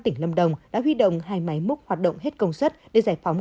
tỉnh lâm đồng đã huy động hai máy múc hoạt động hết công suất để giải phóng